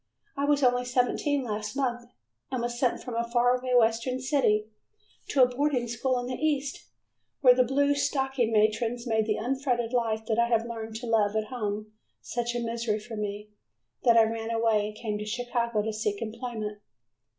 I was only seventeen last month and was sent from a faraway western city to a boarding school in the east, where the "blue stocking" matrons made the unfettered life that I had learned to love at home such a misery for me, that I ran away and came to Chicago to seek employment.